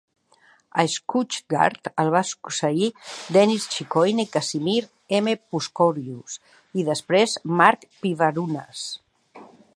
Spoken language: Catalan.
A Schuckardt el va succeir Denis Chicoine Casimir M. Puskorius i després Mark Pivarunas.